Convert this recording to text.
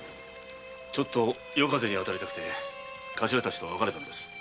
ちょっと夜風に当たりたくて頭たちとは分かれたんです。